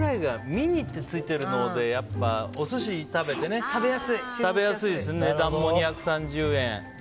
ミニってついてるのでやっぱり、お寿司を食べて食べやすいですし値段も２３０円。